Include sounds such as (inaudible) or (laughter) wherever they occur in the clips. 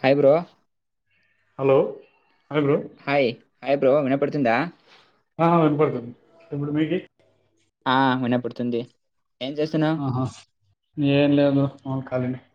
Hi bro hello hello bro hi bro వినపడుతుందా ఆ వినపడుతుంది ఇప్పుడు మీకీ ఆ వినపడుతుంది ఏం చేస్తున్నావు ఆహా ఏం లేదు బ్రో (unintelligible)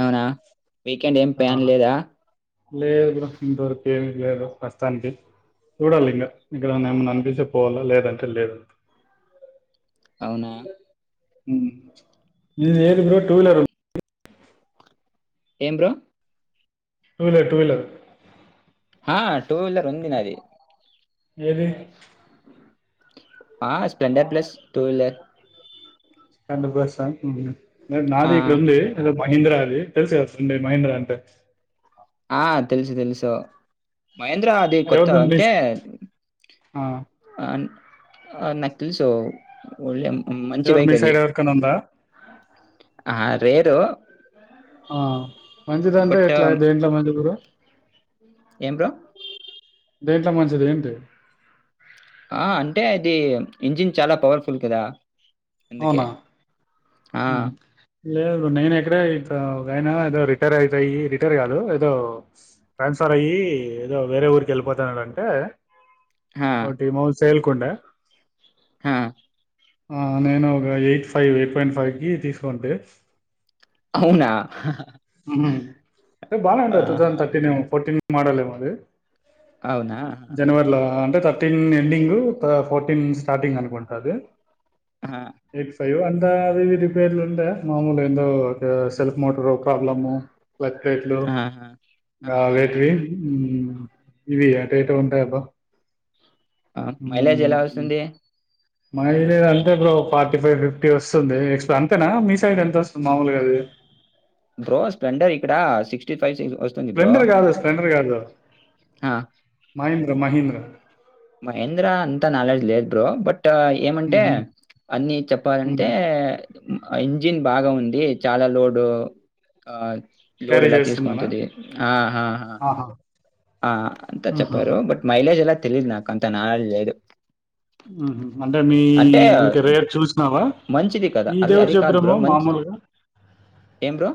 అవునా వీకెండ్ ఏం ఆ ప్లాన్ లేదా లే గురు ఇంత ఏమి లేదు ప్రస్తుతానికి చూడాలి ఇంకా ఇక్కడ నేమ అనిపిస్తే పోవాల లేదంటే లేద్ అవునా ఇ ఏది బ టూ వీలర్ ఏం bro two wheeler two wheeler ఆ టూ వీలర్ ఉంది నా అది ఏది ఆహ్ స్ప్లెండర్ ప్లెస్ టూ వీలర్ కండ బస్టాండ్ ఆ నాదేకుల అ మహీంద్ర అది తెలుసు కసుండె మహీంద్ర అంటే ఆహ్ తెలుసు తెలుసు మహేంద్ర అది కొత్త ఎవరిది మీ అంతే ఆ ఆన్ ఆహ్ నకిల్ సో ఒళెం ఎవరు మీ సైడ్ ఎవరికన్నుందా ఆహ్ రేరు ఆహ్ మంచిదంటె ఎట్ల దేంట్ల మంచిగురు ఏమ్రా దీంట్లో మంచిదేంటి ఆహ్ అంటే అది ఇంజిన్ చాలా పవర్ఫుల్ కదా ఎందుకే అవునా ఆ ఉహు లేదు నేను ఇక్కడే ఇైనా ఒకాయన ఏదో రిటైర్ అయిపోయి రిటైర్ కాదు, ఏదో ట్రాన్స్ఫర్ అయ్యి ఏదో వేరే ఊరికి వెళ్ళిపోతున్నాడంటే ఆ, ఓ టిమౌస్ పేల్కొండ హా ఆ అ ఆ నేను ఒక eight five eight point five కి తీసుకోంటే అవునా మ్ బా ఉంటారు ఆహాహా! తుతర్టీన్ ఫోర్టీన్ (unintelligible) మాడల్ ఏమది అవునా? ఆహాహా! జనవరిలో అంటత తర్టీన్ ఎండింగ్ ఫోర్టీన్ స్టార్టింగ్ అనుకుంటాది ఆహా! ఎ (unintelligible) ఆహ్ అవివి రిపేర్లుండే మామూలు ఏందో ఒక సెల్ఫ్ మోటరు ప్రోబ్లేము ప్లక్ప్లేట్లు ఆహాహా! గా ఆహా! వేటివి ఊమ్హు ఇవి ఏటేటా ఉంటాయబ ఆహ్ మైలేజ్ ఎలా వస్తుంది మైలేజ్ అంటే ఇప్పుడు ఫార్టీ ఫైవ్ ఫిఫ్టీ వస్తుంది ఎక్స్ అంతేనా మీ సైడ్ ఎంత వస్తుంది మామూలుగాది బ్రో స్ప్లెండర్ ఇక్కడ సిక్స్టీ ఫై స్ప్లెండర్ కాదు స్ప్లెండర్ కాదు ఆ! మై మహీంద్ర మహేంద్ర అంతా నాలెడ్జ్ లేద్ బ్రో బట్ ఇ ఏమంటే హుహు. అన్ని చెప్పాలంటే హ్మ్. ఇంజిన్ బాగా ఉంది చాలా లోడ్ ఆ లోడ్ క్యారీ ఎలా చేస్తుందనా? తీసుకుంటది ఆ ఆహా! ఆ అంత హుహు. చెప్పారు బట్ మైలేజ్ ఎలా తెలిద్ నా కొంత నాలెడ్జ్ లేదు మ్ అంటే మీ అంటే ఎవరికి రేపు చూసినావా, మంచిది కదా! మీ ఇది అది ఎవరు అది కాదు చెప్పరమో బ్రో. మంచి మామూలుగా, ఏం బ్రో?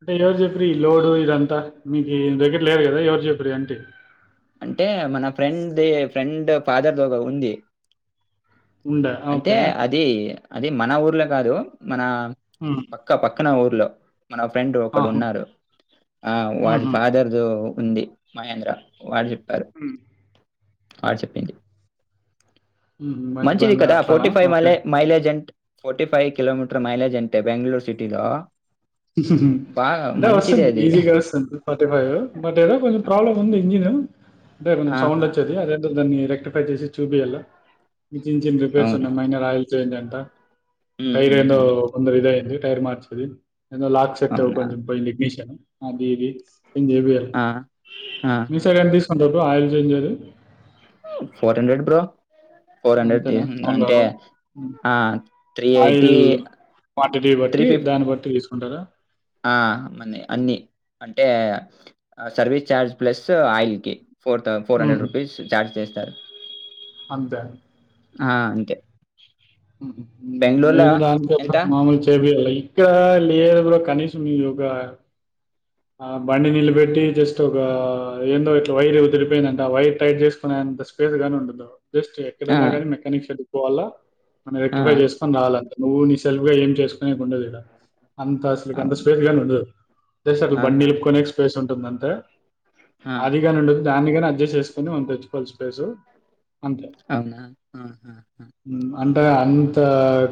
అంటే ఎవరు చెప్పారు ఈ లోడు ఇదంతా. మీకు దగ్గర లేరు కదా ఎవరు చెప్పారి అంటి అంటే మన ఫ్రెండ్ దే ఫ్రెండ్ ఫాదర్ తో ఉంది ఉండా అంటే ఓకే. అది అది మన ఊర్లో కాదు మన హ్మ్. పక్కా పక్కనా ఇంట్లో మన ఫ్రెండ్ ఒకడు ఆహా! ఉన్నాడు ఆ వాడి హుహు. ఫాదర్ ఉంది మహేంద్ర వాడు చెప్ హమ్ ఆ చెప్పింది. హుహు. మంచి మంచిది బండి కదా అట్లనా? Forty five okay. మలే మైలేజెంట్ ఫోర్టీ ఫైవ్ కిలోమీటర్ మైలేజ్ అంటే బెంగళూరు సిటీలు అంటే వస్తుంది ఈజీగా వస్తుంది ఫార్టీ ఫైవ్ బట్ ఏదో కొంచెం ప్రాబ్లమ్ ఉంది ఇంజిన్ అంటే కొంచెం సౌండ్ ఆహాహా! వచ్చేది అది దాన్ని రె రెట్టి ఫైవ్ చేసి చూపియాల చిన్న చిన్న రిపేర్స్ అవునా! ఉన్నాయి మైనర్ రాయల్స్ చేంజ్ ఎంత టైర్ ఏందో హుహుహు. కొందరు ఇదా ఏంది టైర్ మార్చిది నిన్న లాక్సక్తవ ఒక అవునా! కొంచెం అడ్మిషన్ అది ఇది ఆ! మీ ఆహా! సైడ్ ఎట్లా తీసుకుంటారు పో ఆయల్ చెంజది ఫోర్టీన్ గురిడెడ్ బ్రో అంతేనా తీసుకుంది. అంటే అవునుబమ్ ఆ! ఆయిల్ క్వాంటిటీ త్రీ బట్టి ఫిఫ్ దాన్ని బట్టి తీసుకు ఉంటారా ఆ మని అన్ని అంటే సర్వీస్ చార్జ్ ప్లస్ ఆయిల్కి ఫోర్త్ ఫోర్ హ్మ్. హండ్రెడ్ రూపీస్ చార్జ్ చే సార్ అంతే ఆ అంతే బెంగుళూరులో నేను దానినికిప్పుడు ఎంత? మామూలు చేపియాల ఇక్కడ లేరు కనీసం మ్ ఒక ఆ బండి నిల పెట్టి జస్ట్ ఒక ఏందో ఇట్లా వైర్ వదిరిపోయిందంట ఆ వైర్ టైట్ చేసుకునేంత స్పేస్ గా ఉండదు జస్ట్ ఆ! ఎక్కడన్నా కానీ మెకానిక్స్ పోాల మనం ఆ! రెక్టిఫై చేసుకని రావాలంటె నువ్వు నీ సెల్్ గా ఏం చేసుకునే కి ఉండదు ఈడ అంత ఆసలు అంత అవును. స్పేస్ గాని ఉండదు అ బండి ఆహాహా! నిలుపుకనే స్పేస్ ఉంటంది కందటె ఆ! ఆదిగానుండు దాన్నిగానే అడ్జస్ట్ చేసుకొని మనం తెచ్చుకోచ్చసిపేసు అవునా ఆ హా హా హ్మ్. అంటే అంత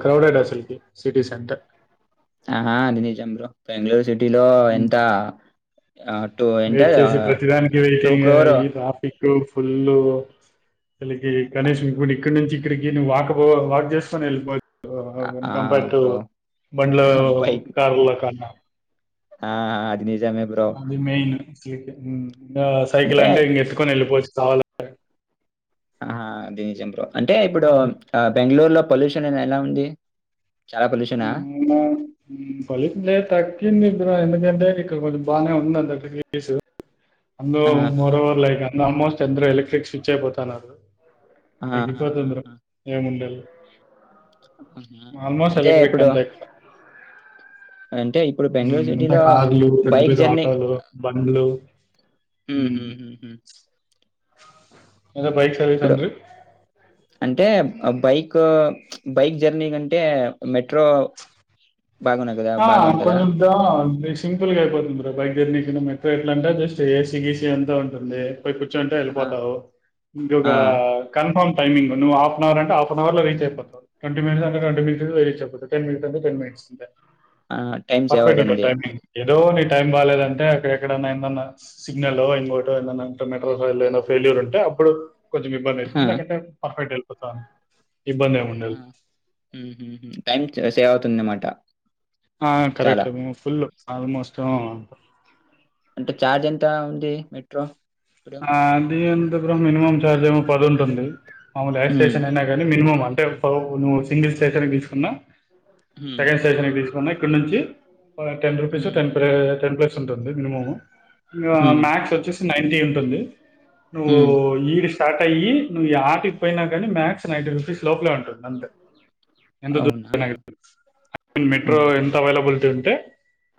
క్రౌడెడ్ అసలుకి సిటీ సెంటర్ ఆహా అనిజ్ర బెంగళూరు సి ఇటిలో హ్మ్. ఎంత టూ అంటే వెయిట్ చేసి ప్రతిదానికి టూ వెయిటింగ్ క్రోర్ ఈ ట్రాఫిక్ ఫుల్ అకి గణేష్ ఇంకో ఇక్కడి నుంచి ఇక్కడికి వాక్పో వాక్ చేస్తాను వెళ్ళిపో ఆహ్, ఆ! కంపేర్ టు బ్రో బండ్ల బైక్ కారులో కన్నా ఆ అది నిజమే బ్రో. అది మెయిన్ ఉమ్ ఇం సైకిల్ అంటే ఇంక ఎతుకొని వెళ్ళిపోవచ్చు సవాల ఆహా దినీజ్బ్ర అంటే ఇప్పుడు అది బెంగళూరు లో పొల్యూషన్ అ ఎలా ఉంది చాలా పొల్యూషనా? ఫలిత్ల త అకింది ఇ ఎందుకంటే ఇక్కడ కొంచెం బాగానే ఉంటంది అంత్స్ అందు ఆహా! మోర్ఓవర్ లైక్ అ ఆల్మోస్ట్ చంద్ర ఎలక్ట్రిక్ స్విచ్ అయిపోతున్నారు ఆహాహాహా! తగగిపో తంద్ర ఆహా! ఏ ముండలు ఆహా. ఆల్మోస్ట్ అంటే ఎలక్ట్రక్ ఇప్పుడు అంతే అంటే ఇప్పుడు ఇ బెంగుళూరు అంటే సిటీలో కాదులు పెద్ద బైక్ పెద జర్నీ ఆటలు బండ్లు హ హ్మ్. హ్మ్. హ్మ్. హ్మ్. ఏదా బైక్ సర్వీస్ అంత ఆ బైక్ బైక్ జర్నీ కంటే మెట్రో బాగున్నాయి కదా! ఆ బాగానే కదా! కొంచెందా సింపుల్ గా అయిపోతుంది బ్ర బైక్ జర్నీ కింద మెట్రో ఎట్లా అంటే జస్ట్ ఏసీ గీ అంతా ఉంటుంది కూర్చుంటే ఆ! వెళ్ళిపోతావు ఇంకొక ఆ! కన్ఫామ్ టైమింగ్వ్వు హఫ్న్ అంట హా అవ లో రీచ్ అపోతా ట్వంట మినిట్ అంటట్వీ మిట్స్ీచ్ అయిపో టెన్ మనిట్స్ంటే టె మిట్స్ ఆ టైమ్ సేవ్ అదందే దో నీ టైం బాలలేదంటే అక్కడ ఎక్కడన్నా ఏన్నా సిగ్నల్ ఇంకోటో ఏన్నా మెట్రో రైల్ ఏో ఫెయిల్యూర్ ఉంటే అప్పుడు కొంచం ఇబ్బంది ఆ! అయిందికతే పర్ఫెట్ ప్రథాం అవునా హు హు హు టైమ్ సేవ్ అవుతుంది అన్నమాట ఆ కరెక్ట్ (inaudible) ఆ ఫుల్లు ఆల్ మోష్టం అంటే చార్జ్ ఎంత ఉంది మెట్రో ఇప్పుడు? ఆ దీ అది ఎంత బ్రో మినిమం చార్జ్ ఏమో పది ఉంటుంది మామలు ఏ హ్మ్. స్టేషన్ అయినా కానీ మినిమం అ ంటే (unintelligible) నువ్వు సింగిల్ స్టేషన్ తీసుకున్నా హ్మ్. సెకండ్ స్టేషన్కి తీసుకున్నా అక్కడ నుంచి (unintelligible) టెన్ రూపీస్ హ్మ్. టెన్ టెన్ ప్లస్ స్ ఉంటుంది మినిమము ఇగా హ్మ్. మ్యాక్స్ వచ్చేసి నైంటీ ఉంటుంది నువ్వు హ్మ్. ఈ డి స్టార్ట్ అయ్యి నువ్వు యాటికిపోయినా కానీ మ్యాక్స్ నైంటీ రూపీస్ లోపలే ఉంటుంది అంతే ఎంత దూరం అవునా? పోయినా గానీ మీన్స్ మెట్రో హుహు. ఎంత హ్మ్. అవైలబిలిటీ ఉంటే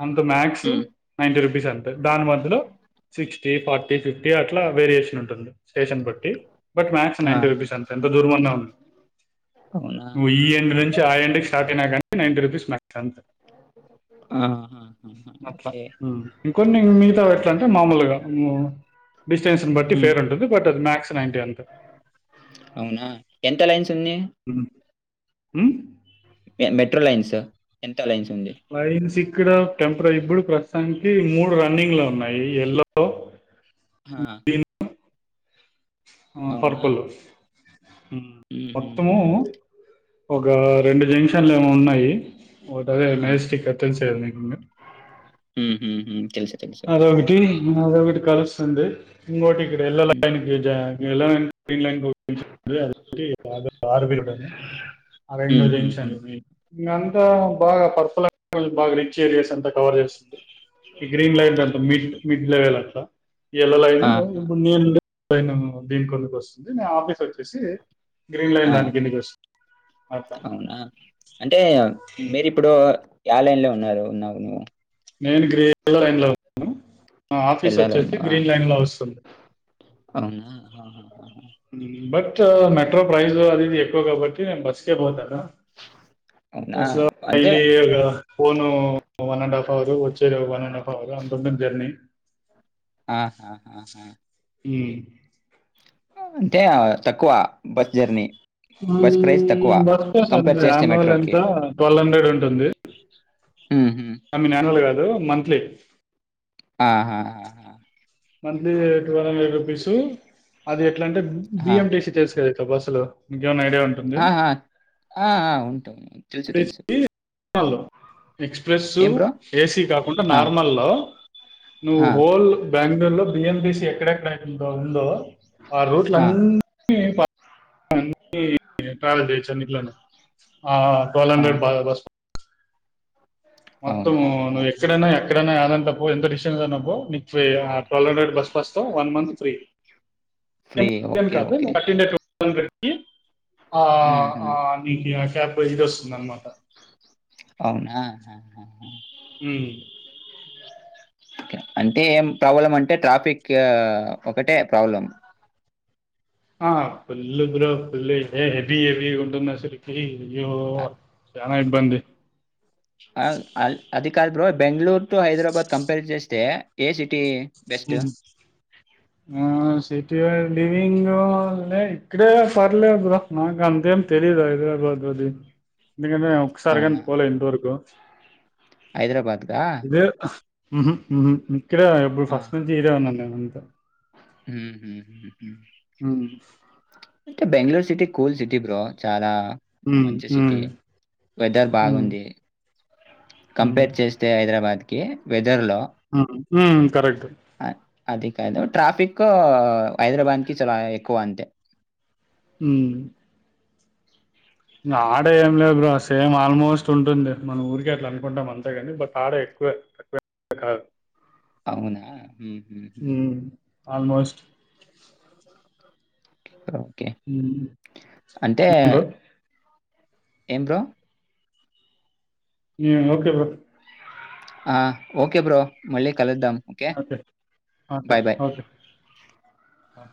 అంత మ్యాక్స్ హ్మ్. నైటీ రూపీ పిసాన్ దాని మధ్యలో sixty, forty, fifty T అట్లా వేరియేషన్ ఉంటుంది. స్టేషన్ బట్టి బట్ మ్యాక్స్ నైన్టీ ఆహా! రూపీస్ అంతే ఎంత దూరం అన్నా అవునా? నువ్వు ఈ ఎండు నుంచి ఆ ఎండుకి స్టార్ట్ అయినా కానీ నైంటీ రూపీస్ మా అంతే ఆహాహాహా! అట్లా ఓకే. హ్ ఇంకొన్ని మిగతావి ఎట్లంటే మామూలుగా డిస్టెన్స్ ని బట్టి హ్మ్. ఫేర్ ఉంటుంది బట్ టది మ్యాక్స్ నైంటీ అంతే అవునా ఎంత లైన్స్ ఉంది. హ్ మెట్రోలైన్స్ లైన్స్ ఉంది. లైన్స్ ఇక్కడ టెంపరి ఇప్పుడు ప్రస్తుతానికి మూడు రన్నింగ్ లో ఉన్నాయి ఎల్లో, హ ఆ పర్పులు హ్మ్ మొత్తము హుహుహు. ఒక రెండు జంక్షన్లు ఏమో ఉన్నాయి. ఓటదే ఆ! మెజెస్టిక్ తెలుసు కదా నీకు ఉం అదొకటి ఇంకొకటి కలుస్ తుంది ఇంకోటి ఇక్కడ ఎల్లో హ్మ్. లైన్ కి జాయ్ ఎలాయ్న్ (unintelligible) హుహుహు. ఇంగంతా బాగా పర్స్ ల బాగ రీచ్చేరియాస్ అంతా కవర్ చేస్తుంది ఇది లో ఏంటంటే మిడ్ మిడ్ లవెల్ అట్లా ఎల్లో లైను ఆహా! (unintelligible) నేను దీని కొందుకు వస్తుంది నేను ఆఫీస్ వచ్చేసి గ్రీన్ లైన్ ఆ దాని కిందకి వస్తుంది అట్లా అవునా అంటే ఉం. మీరిప్పుడు యా లైన్ లో ఉన్నారు ఉన్నావు నువ్వు నేను గ్రే కలర్ (unintelligible) న్లో ఉన్నాను ఆఫీస్ యెల్లో వచ్చేసి లైన్‌లోనా? గ్రీన్ లైన్ లో వస్తుంది అవునా? ఆహాహాహా! బట్ మెట్రో ప్రైస్ అదీది ఎక్కువ కాబట్టి నే బస్ చే పోతాడా అవునా? అంటే (unintelligible) ఫోన్ వన్ అండ్ హఫ్ వారు వచ్చేదోక వన్ అండ్ హాఫ్ అవ్రు అంతుంటుంది జర్నీ ఆహాహాహా! మ్ టే తక్కువ బస్ జర్నీ. బస్ ప్రైస్ తక్కువ (unintelligible) బస్ పాస్ కంపేర్ అంతే చేస్తే యాన్వల్ ఎంత మెట్రోకి. ట్వెల్వ్ హండ్రెడ్ ఉంటుంది హుహు. ఆమీన్ యాన్వల్ కాదు మంత్ త్లీ ఆహా హా హా హా మంత్లీదే టువల్ హండ్రెడ్ రుపీస్ అది ఎ ట్లంటే బి ఎం టి సి తెలుసు కద చెప్పసలు ఆహా ఆ ఉంటాయ్ తెలుసు తెలుసు (unintelligible) ఎక్స్ ప్రెస్సు ఏం బ్రో? ఏసీ కాకుండా ఆ! నార్మల్ లో నువ్వు ఆ! హోల్ బెంగళూరు లో బిఎంబిసి ఎక్కడెక్కడ ఆనేటి ఉందో. ఆ రూట్లో అనీ ప ఆనీ ఈ నైట్రలిక్ బీచ్ అన్నిట్లోనూ. ఆ కొలంబీర్ అవును. బాధా బస్ మొత్తం అవునా? నువ్ ఆహాహా! ఎక్కడన్నా ఎక్క అట్లనే అనంతపూర్ ఎంత డిస్టెన్స్ ఉన్నపో మైక్ఫర్ ట్వల్వ్ హండ్రెడ్ బస్ ప్రస్తం one month free free. Okay. Okay. ఇ ఆ హుహు. ఆ నీకు ఎస్సై పోజిట్ వస్తుంది అనమాట అవునా ఆ ఆ ఉ అంటే ఏం ప్రాబ్లం అంటే ట్రాఫిక్ ఒకటే ప్రాబ్లం ఆ full bro full heavy heavy ఉంటుంది అసలుకి అయ్యో అ చనా ఇబ్బంది ఆల్ ఆల్ అది కాదు bro Bengaluru to Hyderabad compare చేస్తే ఏ సిటీ? బెస్ట్? ఆ స లివింగ్ లే ఇక్కడే పర్లేదు బ్ర నాకు అంతేం తెలీదు హైదరాబాద్ అది ఎందుకంటె ఒకసారిగానీ పోలే ఇంతవరకు హైదరాబాద్ గా ఉహ ఇకడే (unintelligible) ఫాస్ట్ పిలోవునం మేమంతా ఉంత ఉ ఉ టె Bengaluru city cool city bro చాలా ఉమ్ మంచి ఉమ్ సిటీ వెదర్ ఉమ్ బాగుంది కంపేర్ చేస్తే హైదరాబాద్ వెద్ ఉ కరెక్ట్ అ అది కాదు ట్రాఫిక్ హైదరాబాద్ కి చాలా ఎక్కువ అంతే ఉ ఆడే ఏం లే బ్రో సేమ్ ఆల్మోస్ట్ ఉంటుంది మన ఊరికే అట్లా అన్పడం అంతేగాని బట్ ఆడే ఎక్కువే తక్కువ కాదు. అవునా హు హు హు ఆల్మోస్ట్ కా (unintelligible) హు ఏలో ఎంబ్రో ఓకే బ్రో ఆ ఓకే బ్రో మళ్ళీ కలుద్దాం okay okay bye bye. Okay ఆ